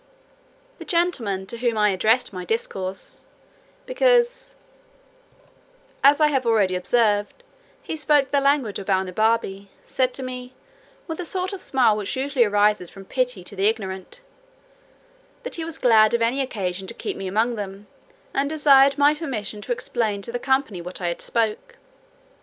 The gentleman to whom I addressed my discourse, because (as I have already observed) he spoke the language of Balnibarbi, said to me, with a sort of a smile which usually arises from pity to the ignorant, "that he was glad of any occasion to keep me among them, and desired my permission to explain to the company what I had spoke."